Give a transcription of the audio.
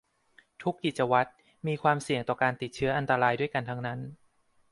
ทุกกิจวัตรมีความเสี่ยงต่อการติดเชื้ออันตรายด้วยกันทั้งนั้น